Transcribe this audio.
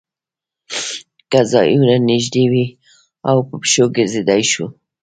که ځایونه نږدې وي او په پښو ګرځېدای شو.